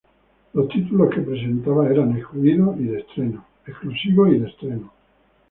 Los títulos que presentaba eran exclusivos y de estreno.